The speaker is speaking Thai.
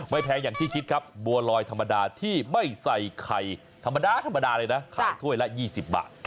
แพงอย่างที่คิดครับบัวลอยธรรมดาที่ไม่ใส่ไข่ธรรมดาธรรมดาเลยนะขายถ้วยละ๒๐บาท